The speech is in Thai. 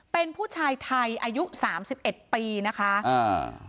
เป็นผู้ชายไทยอายุสามสิบเอ็ดปีนะคะอ่า